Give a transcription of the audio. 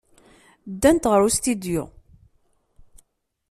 Ddant ɣer ustidyu.